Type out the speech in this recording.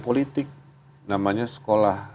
politik namanya sekolah